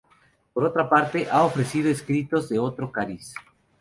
Por otra parte, ha ofrecido escritos de otro cariz.